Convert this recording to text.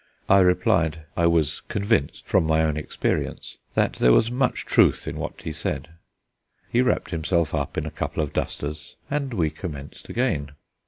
I replied I was convinced, from my own experience, that there was much truth in what he said. He wrapped himself up in a couple of dusters, and we commenced again.